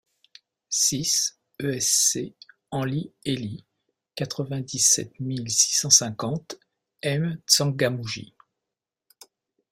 six eSC ANLI HELI, quatre-vingt-dix-sept mille six cent cinquante M'Tsangamouji